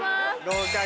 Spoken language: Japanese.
合格。